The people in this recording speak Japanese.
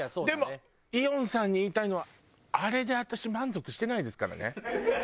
でもイオンさんに言いたいのはあれで私満足してないですからね。